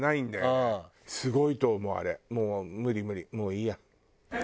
もういい。